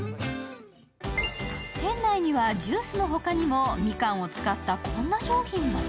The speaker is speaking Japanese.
店内にはジュースの他にもみかんを使ったこんな商品も。